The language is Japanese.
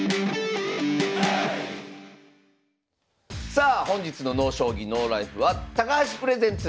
さあ本日の「ＮＯ将棋ＮＯＬＩＦＥ」は「高橋プレゼンツ